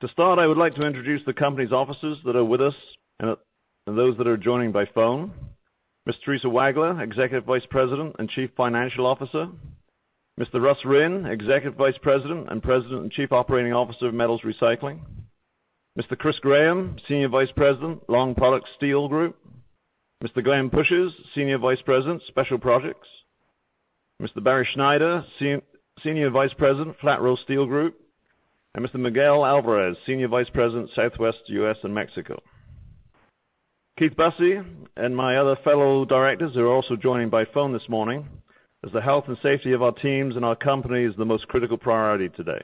To start, I would like to introduce the company's officers that are with us and those that are joining by phone: Ms. Theresa Wagler, Executive Vice President and Chief Financial Officer, Mr. Russ Rinn, Executive Vice President and President and Chief Operating Officer of Metals Recycling, Mr. Chris Graham, Senior Vice President, Long Products Steel Group, Mr. Glenn Pushis, Senior Vice President, Special Projects, Mr. Barry Schneider, Senior Vice President, Flat Roll Steel Group, and Mr. Miguel Alvarez, Senior Vice President, Southwest US and Mexico. Keith Busse and my other fellow directors are also joining by phone this morning, as the health and safety of our teams and our company is the most critical priority today.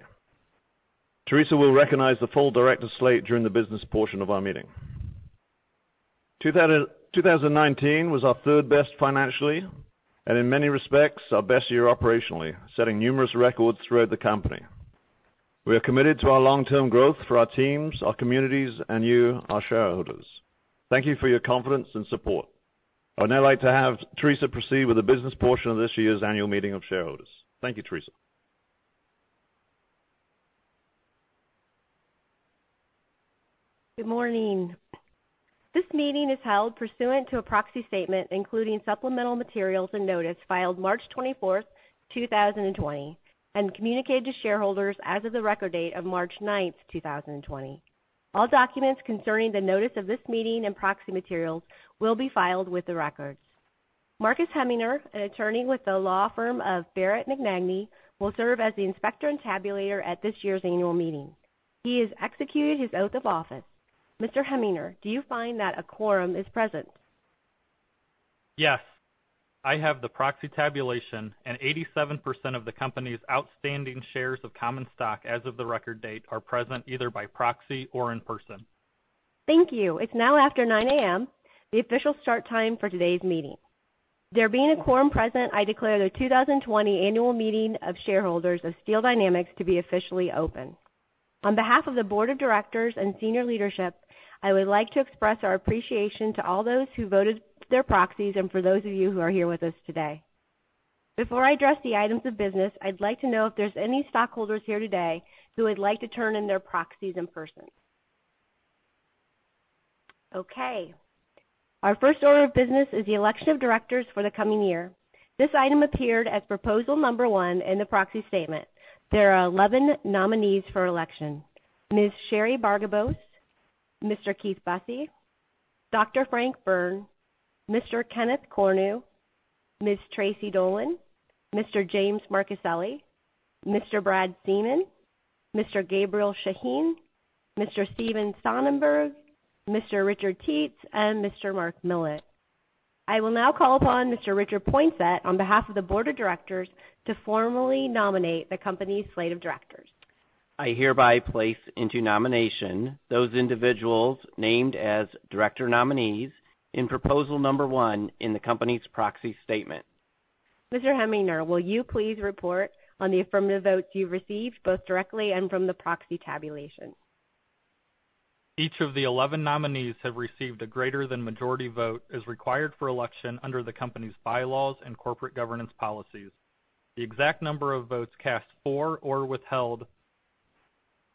Teresa will recognize the full director slate during the business portion of our meeting. 2019 was our third best financially and, in many respects, our best year operationally, setting numerous records throughout the company. We are committed to our long-term growth for our teams, our communities, and you, our shareholders. Thank you for your confidence and support. I would now like to have Teresa proceed with the business portion of this year's Annual Meeting of Shareholders. Thank you, Teresa. Good morning. This meeting is held pursuant to a Proxy Statement, including supplemental materials and notice filed March 24th, 2020, and communicated to shareholders as of the record date of March 9th, 2020. All documents concerning the notice of this meeting and proxy materials will be filed with the records. Marcus Heminger, an attorney with the law firm of Barrett McNagny, will serve as the inspector and tabulator at this year's annual meeting. He has executed his oath of office. Mr. Heminger, do you find that a quorum is present? Yes. I have the proxy tabulation, and 87% of the company's outstanding shares of common stock, as of the record date, are present either by proxy or in person. Thank you. It's now after 9:00 A.M. The official start time for today's meeting. There being a quorum present, I declare the 2020 Annual Meeting of Shareholders of Steel Dynamics to be officially open. On behalf of the board of directors and senior leadership, I would like to express our appreciation to all those who voted their proxies and for those of you who are here with us today. Before I address the items of business, I'd like to know if there are any stockholders here today who would like to turn in their proxies in person. Okay. Our first order of business is the election of directors for the coming year. This item appeared as proposal number one in the Proxy Statement. There are 11 nominees for election: Ms. Sheree Bargabos, Mr. Keith Busse, Dr. Frank Byrne, Mr. Kenneth Cornew, Ms. Traci Dolan, Mr. James Marcuccilli, Mr. Brad Seaman, Mr. Gabriel Shaheen, Mr. Steven Sonnenberg, Mr. Richard Teets, and Mr. Mark Millett. I will now call upon Mr. Richard Poinsatte on behalf of the board of directors to formally nominate the company's slate of directors. I hereby place into nomination those individuals named as director nominees in proposal number one in the company's Proxy Statement. Mr. Heminger, will you please report on the affirmative votes you've received, both directly and from the proxy tabulation? Each of the 11 nominees have received a greater than majority vote as required for election under the company's Bylaws and Corporate Governance Policies. The exact number of votes cast for or withheld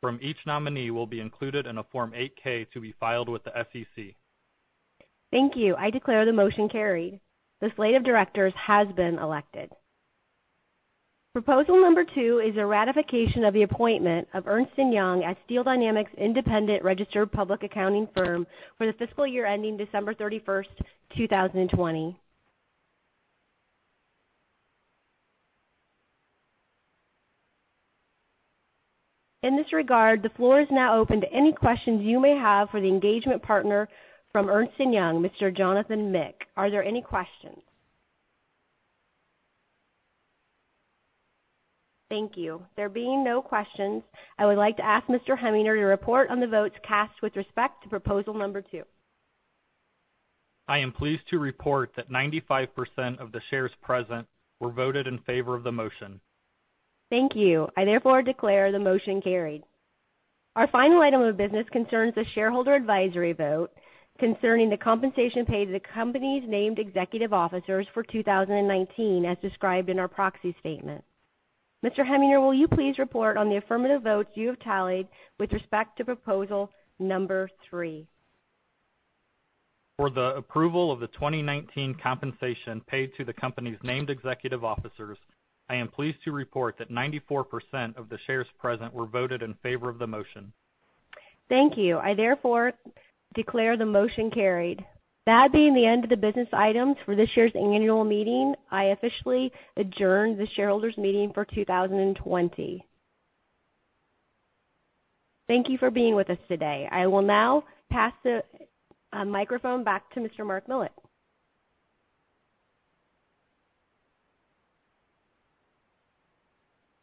from each nominee will be included in a Form 8-K to be filed with the SEC. Thank you. I declare the motion carried. The slate of directors has been elected. Proposal number two is a ratification of the appointment of Ernst & Young as Steel Dynamics' independent registered public accounting firm for the fiscal year ending December 31st, 2020. In this regard, the floor is now open to any questions you may have for the engagement partner from Ernst & Young, Mr. Jonathan Mick. Are there any questions? Thank you. There being no questions, I would like to ask Mr. Heminger to report on the votes cast with respect to proposal number two. I am pleased to report that 95% of the shares present were voted in favor of the motion. Thank you. I therefore declare the motion carried. Our final item of business concerns the shareholder advisory vote concerning the compensation paid to the company's named executive officers for 2019, as described in our Proxy Statement. Mr. Heminger, will you please report on the affirmative votes you have tallied with respect to proposal number three? For the approval of the 2019 compensation paid to the company's named executive officers, I am pleased to report that 94% of the shares present were voted in favor of the motion. Thank you. I therefore declare the motion carried. That being the end of the business items for this year's Annual Meeting, I officially adjourn the Shareholders' Meeting for 2020. Thank you for being with us today. I will now pass the microphone back to Mr. Mark Millett.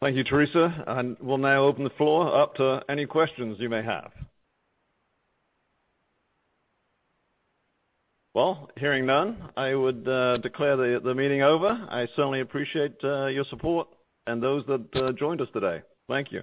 Thank you, Teresa. We'll now open the floor up to any questions you may have. Hearing none, I would declare the meeting over. I certainly appreciate your support and those that joined us today. Thank you.